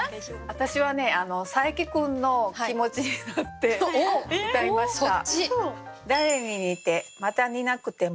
私はねサエキ君の気持ちになってうたいました。